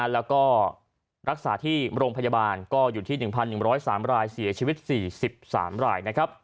แล้วก็รักษาที่โรงพยาบาลก็อยู่ที่๑๑๐๓รายเสียชีวิต๔๓ราย